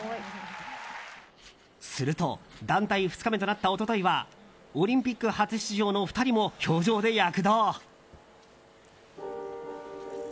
すると団体２日目となった一昨日はオリンピック初出場の２人も氷上で躍動。